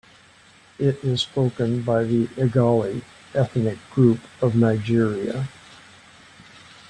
It is spoken by the Igala ethnic group of Nigeria.